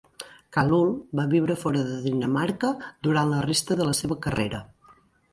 Kalule va viure fora de Dinamarca durant la resta de la seva carrera.